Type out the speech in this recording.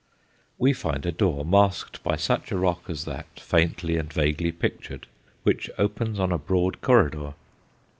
We find a door masked by such a rock as that faintly and vaguely pictured, which opens on a broad corridor.